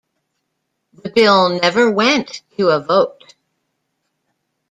The bill never went to a vote.